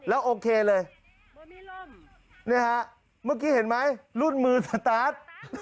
แล้วโอเคเลยนี่ฮะเมื่อกี้เห็นไหมรุ่นมือสตาร์ท